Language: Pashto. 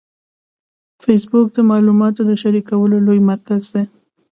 فېسبوک د معلوماتو د شریکولو لوی مرکز دی